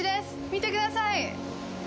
見てください！